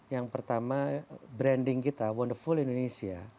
yang pertama branding kita wonderful indonesia